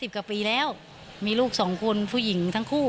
กว่าปีแล้วมีลูกสองคนผู้หญิงทั้งคู่